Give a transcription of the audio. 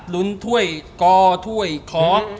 ลุ้นถ้วยกอถ้วยของ